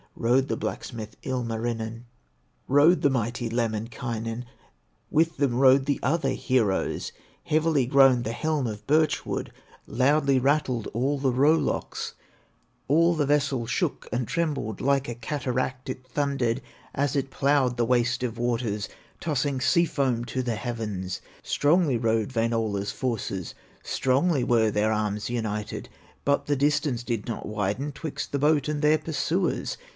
Rowed the blacksmith, Ilmarinen, Rowed the mighty Lemminkainen, With them rowed the other heroes; Heavily groaned the helm of birch wood, Loudly rattled all the row locks; All the vessel shook and trembled, Like a cataract it thundered As it plowed the waste of waters, Tossing sea foam to the heavens. Strongly rowed Wainola's forces, Strongly were their arms united; But the distance did not widen Twixt the boat and their pursuers.